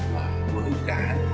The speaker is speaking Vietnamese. và với cả